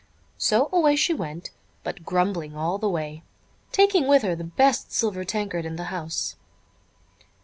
'"] So away she went, but grumbling all the way, taking with her the best silver tankard in the house.